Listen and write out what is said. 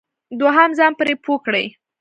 دوهم ځان پرې پوه کړئ.